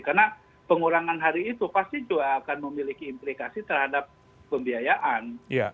karena pengurangan hari itu pasti juga akan memiliki implikasi terhadap pembiayaan